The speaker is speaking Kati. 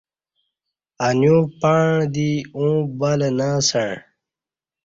انیو پݩع دی اوں بلہ نہ اسݩع